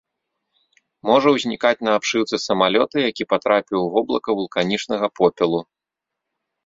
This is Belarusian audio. Можа ўзнікаць на абшыўцы самалёта, які патрапіў у воблака вулканічнага попелу.